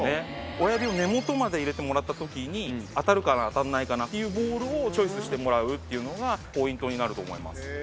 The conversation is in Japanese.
親指を根元まで入れてもらったときに当たるかな当たらないかなっていうボールをチョイスしてもらうっていうのがポイントになると思います。